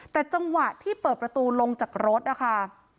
แต่จังหวะที่เปิดประตูลงจากรถนะคะ